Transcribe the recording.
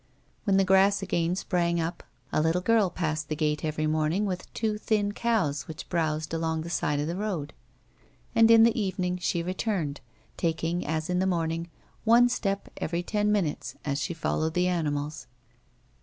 Wlicu A WOMAN'S LIFE. 229 the grass again sprang up a little girl passed the gate every morning with two thin cows which browsed along the side of the road, and in the evening she returned, taking, as in the morning, one step every ten minutes as she followed the animals.